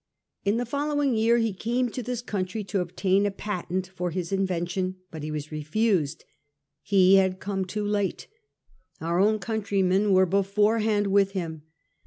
In the following year he came to this country to obtain a patent for his invention ; but he was refused. He had come too late. Our own countrymen were beforehand with him.